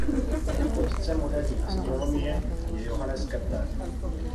Otcem moderní astronomie je Johannes Kepler.